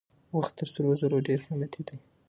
وخت تر سرو زرو ډېر قیمتي دی.